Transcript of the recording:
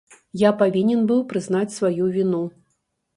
Я павінен быў прызнаць сваю віну.